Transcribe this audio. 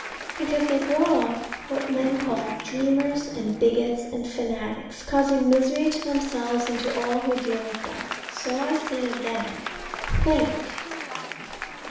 Because they grow up what men call dreamers, and bigots, and fanatics, causing misery to themselves and to all who deal with them. So I say again, think.